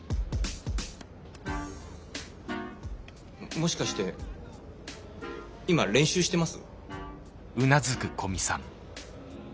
もしかして今練習してます？